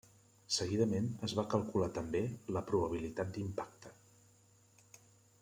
Seguidament es va calcular també la probabilitat d'impacte.